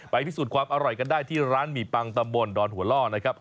พิสูจน์ความอร่อยกันได้ที่ร้านหมี่ปังตำบลดอนหัวล่อนะครับ